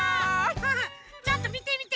ちょっとみてみて。